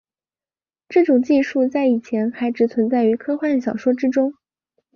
这种技术在以前还只存在于科幻小说之中。